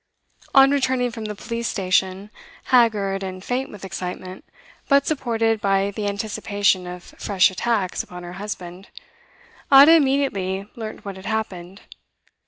On returning from the police station, haggard and faint with excitement, but supported by the anticipation of fresh attacks upon her husband, Ada immediately learnt what had happened.